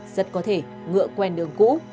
rất có thể ngựa quen đường cũ